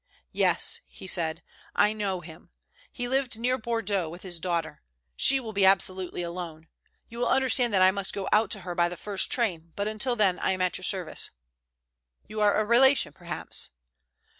"Yes," he said, "I know him. He lived near Bordeaux with his daughter. She will be absolutely alone. You will understand that I must go out to her by the first train, but until then I am at your service. "You are a relation perhaps?"